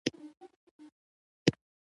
په خپل کتاب درنه کورنۍ کې مې خبرې کړي.